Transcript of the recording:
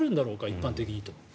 一般的にと。